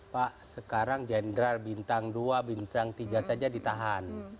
pak sekarang jenderal bintang dua bintang tiga saja ditahan